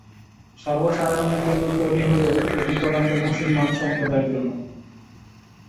সর্ব সাধারণের জন্য তৈরি হলেও এটি প্রধানত মুসলমান সম্প্রদায়ের জন্য।